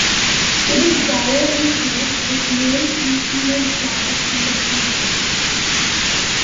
It is dioecious, with male and female flowers on different plants.